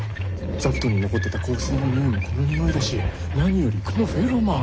座布団に残ってた香水の匂いもこの匂いだし何よりこのフェロモン！